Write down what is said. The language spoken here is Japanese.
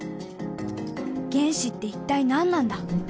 「原子って一体何なんだ？」。